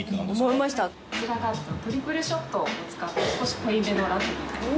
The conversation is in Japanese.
こちらがトリプルショットを使った少し濃いめのラテになります。